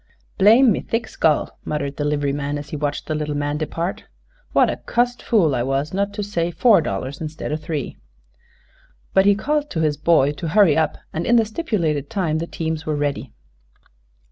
"Blame my thick skull!" muttered the livery man, as he watched the little man depart. "What a cussed fool I were not to say four dollars instead o' three!" But he called to his boy to hurry up, and in the stipulated time the teams were ready.